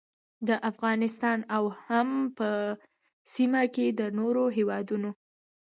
د افغانستان او هم په سیمه کې د نورو هیوادونو